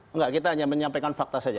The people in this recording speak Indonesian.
enggak kita hanya menyampaikan fakta saja